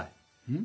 ん？